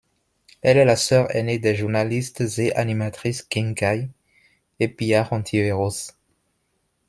Elle est la sœur aînée des journalistes et animatrices Ginggay et Pia Hontiveros.